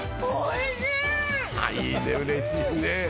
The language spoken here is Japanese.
いいねうれしいね。